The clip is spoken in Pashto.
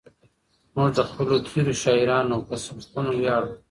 موږ د خپلو تېرو شاعرانو په سبکونو ویاړو.